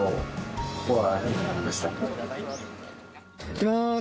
いきます